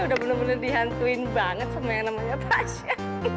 udah bener bener dihantuin banget sama yang namanya tasya